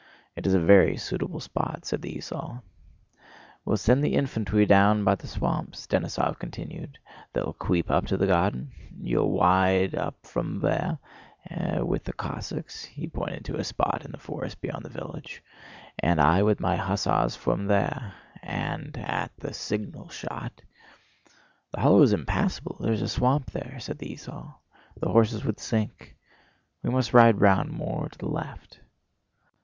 "It is a very suitable spot," said the esaul. "We'll send the infantwy down by the swamps," Denísov continued. "They'll cweep up to the garden; you'll wide up fwom there with the Cossacks"—he pointed to a spot in the forest beyond the village—"and I with my hussars fwom here. And at the signal shot..." "The hollow is impassable—there's a swamp there," said the esaul. "The horses would sink. We must ride round more to the left...."